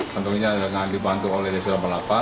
tentunya dengan dibantu oleh densus delapan puluh delapan